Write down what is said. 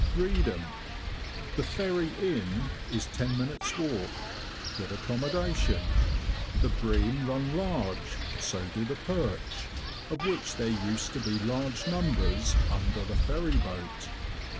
REEDHAM. The "Ferry" Inn is ten minutes' walk. Good accommodation. The bream run large, so do the perch, of which there used to be large numbers under the ferry boat.